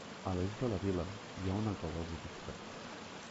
A l'est de la vila hi ha una cova budista.